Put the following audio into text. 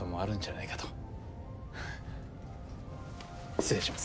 失礼します。